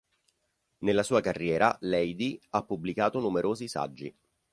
Nella sua carriera Leydi ha pubblicato numerosi saggi.